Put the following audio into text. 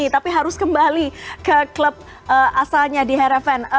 tapi harus kembali ke klub asalnya di harapan